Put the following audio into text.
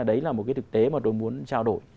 đấy là một cái thực tế mà tôi muốn trao đổi